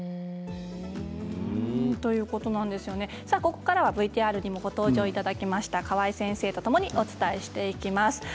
ここからはＶＴＲにもご登場いただきました川合先生とともにお伝えしていきます。